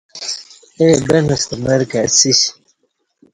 اے بن ستہ مرہ کائسیش